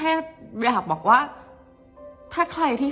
เพราะในตอนนั้นดิวต้องอธิบายให้ทุกคนเข้าใจหัวอกดิวด้วยนะว่า